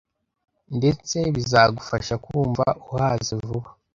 ndetse bizagufasha kumva uhaze vuba